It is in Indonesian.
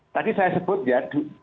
tadi saya sebut ya